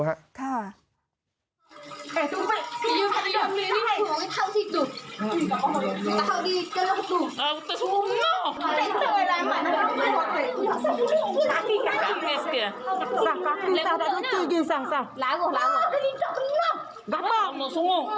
ล้างออกล้างออก